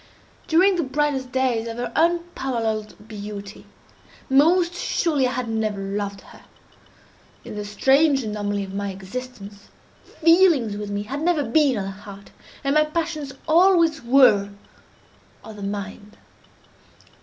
During the brightest days of her unparalleled beauty, most surely I had never loved her. In the strange anomaly of my existence, feelings with me, had never been of the heart, and my passions always were of the mind.